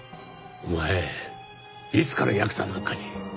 お前いつからヤクザなんかに。